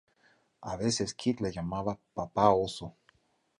A veces Kit le llamaba "Papá Oso".